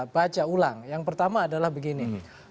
baca ulang yang pertama adalah begini